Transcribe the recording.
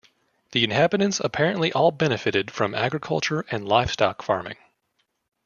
The inhabitants apparently all benefited from agricultural and livestock farming.